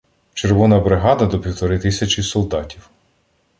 Червона бригада — до півтори тисячі солдатів.